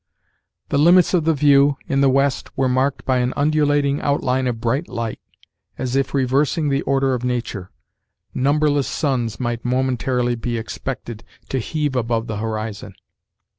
The limits of the view, in the west, were marked by an undulating outline of bright light, as if, reversing the order of nature, numberless suns might momentarily he expected to heave above the horizon.